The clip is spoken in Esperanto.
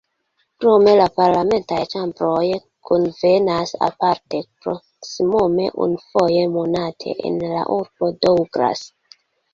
Krome la parlamentaj ĉambroj kunvenas aparte, proksimume unufoje monate, en la urbo Douglas.